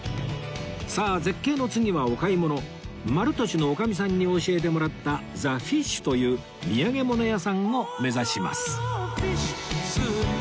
さあ絶景の次はお買い物まるとしのおかみさんに教えてもらった ｔｈｅＦｉｓｈ という土産物屋さんを目指します